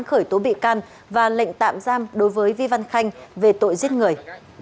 khởi tố bị can và lệnh tạm giam đối với vi văn khanh về tội giết người